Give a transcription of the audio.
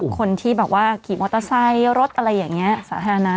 คนที่แบบว่าขี่มอเตอร์ไซค์รถอะไรอย่างนี้สาธารณะ